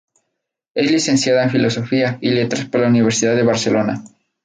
Es licenciada en Filosofía y Letras por la Universidad de Barcelona.